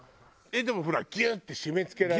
でもほらギュッて締め付けられない？